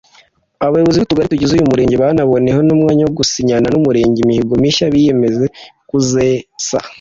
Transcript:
Abayobozi b’utugari tugize uyu murenge baboneyeho n’umwanya wo gusinyana n’umurenge imihigo mishya biyemeje kuzesa